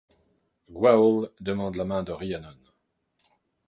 Gwawl demande la main de Rhiannon.